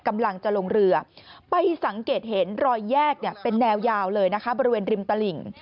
กำลังจะลงเรือไปสังเกตเห็นรอยแยกเป็นแนวยาวเลยนะคะบริเวณริมตลิ่ง